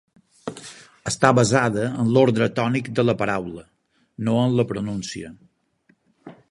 Està basada en l'ordre tònic de la paraula, no en la pronuncia.